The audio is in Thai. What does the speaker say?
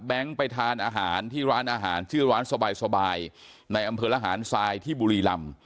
แบงค์ไปทานอาหารที่ร้านอาหารที่ร้านสบายในอำเภิลอาหารซายที่บุรีลำ